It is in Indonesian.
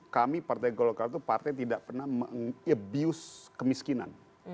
kami partai golkar itu partai tidak pernah meng abuse kemiskinan